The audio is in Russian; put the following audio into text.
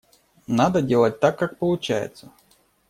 Надо делать так, как получается.